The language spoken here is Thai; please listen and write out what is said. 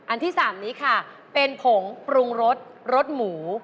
ที่๓นี้ค่ะเป็นผงปรุงรสรสหมู